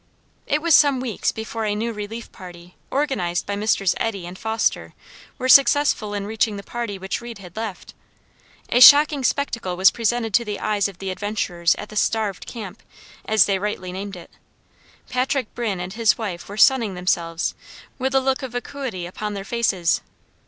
It was some weeks before a new relief party organized by Messrs. Eddy and Foster were successful in reaching the party which Reed had left. A shocking spectacle was presented to the eyes of the adventurers at the "Starved Camp" as they rightly named it. Patrick Brinn and his wife were sunning themselves with a look of vacuity upon their faces.